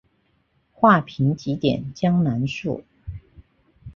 画屏几点江南树。